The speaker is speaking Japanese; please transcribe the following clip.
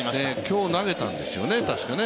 今日、投げたんですよね確かね。